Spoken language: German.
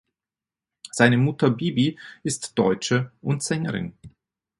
Seine Mutter Bibi ist Deutsche und Sängerin.